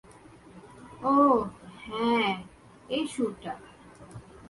ওহ, হ্যাঁ, এই সুরটা।